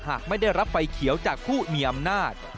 หากไม่ได้รับไฟเขียวจากผู้มีอำนาจ